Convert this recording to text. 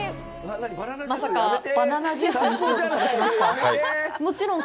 まさか、バナナジュースにしようとされてますか？